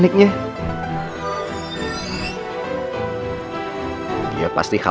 itu bu mereka